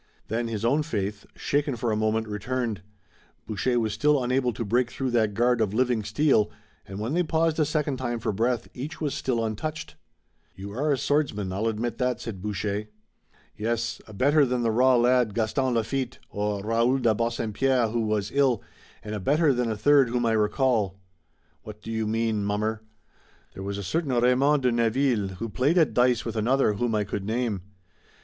Then his own faith, shaken for a moment, returned. Boucher was still unable to break through that guard of living steel, and when they paused a second time for breath each was still untouched. "You are a swordsman, I'll admit that," said Boucher. "Yes, a better than the raw lad, Gaston Lafitte, or Raoul de Bassempierre who was ill, and a better than a third whom I recall." "What do you mean, mummer?" "There was a certain Raymond de Neville who played at dice with another whom I could name.